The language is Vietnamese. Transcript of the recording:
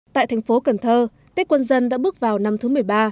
tại thành phố cần thơ tết quân dân đã bước vào năm thứ một mươi ba